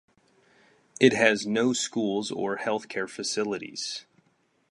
It has no schools or healthcare facilities.